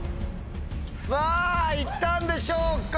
さぁ行ったんでしょうか？